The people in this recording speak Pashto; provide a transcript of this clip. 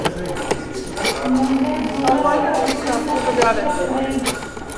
لومړی ګلوله له حلقې څخه تیره کړئ.